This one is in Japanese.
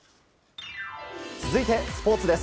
続いてスポーツです。